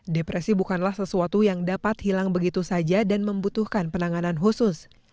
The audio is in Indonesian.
depresi bukanlah sesuatu yang dapat hilang begitu saja dan membutuhkan penanganan khusus